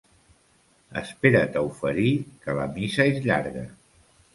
Espera't a oferir, que la missa és llarga.